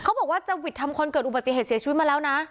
บอกว่าจะหวิดทำคนเกิดอุบัติเหตุเสียชีวิตมาแล้วนะ